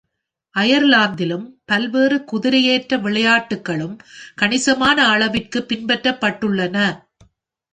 அயர்லாந்திலும், பல்வேறு குதிரையேற்ற விளையாட்டுகளும் கணிசமான அளவிற்கு பின்பற்றப்பட்டுள்ளன.